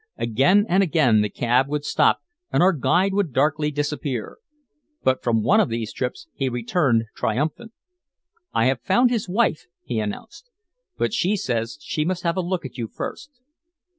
Again and again the cab would stop and our guide would darkly disappear. But from one of these trips he returned triumphant. "I have found his wife," he announced. "But she says she must have a look at you first."